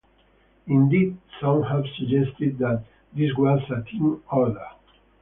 Indeed, some have suggested that this was a team order.